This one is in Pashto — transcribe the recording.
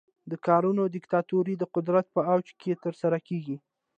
دا کارونه د دیکتاتورۍ د قدرت په اوج کې ترسره کیږي.